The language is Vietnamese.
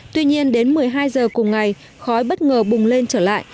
tuy nhiên đến một mươi hai giờ cùng ngày khói bất ngờ bùng lên trở lại